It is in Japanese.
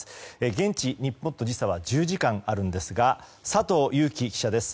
現地、日本との時差は１０時間あるんですが佐藤裕樹記者です。